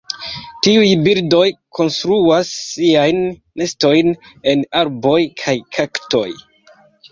Tiuj birdoj konstruas siajn nestojn en arboj kaj kaktoj.